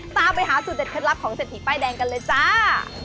ตามไปหาสูตรเด็ดเคล็ดลับของเศรษฐีป้ายแดงกันเลยจ้า